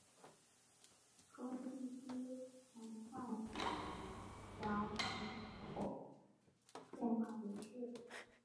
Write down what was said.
福雷地区蒙泰圭人口变化图示